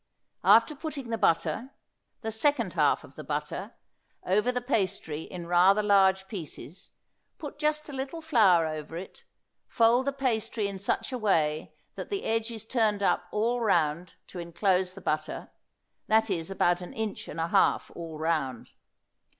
After putting the butter the second half of the butter over the pastry in rather large pieces, put just a little flour over it, fold the pastry in such a way that the edge is turned up all round to inclose the butter; that is about an inch and a half all round.